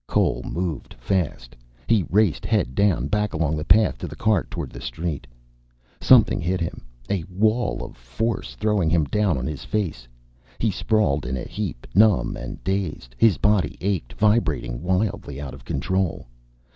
Cole moved fast. He raced, head down, back along the path to the cart, toward the street. Something hit him. A wall of force, throwing him down on his face. He sprawled in a heap, numb and dazed. His body ached, vibrating wildly, out of control.